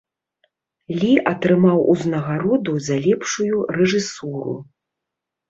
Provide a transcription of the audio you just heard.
Лі атрымаў узнагароду за лепшую рэжысуру.